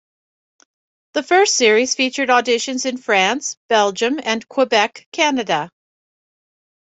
The first series featured auditions in France, Belgium, and Quebec, Canada.